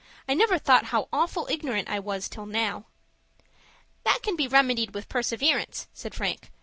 "I never thought how awful ignorant I was till now." "That can be remedied with perseverance," said Frank.